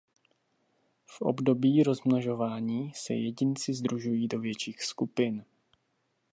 V období rozmnožování se jedinci sdružují do větších skupin.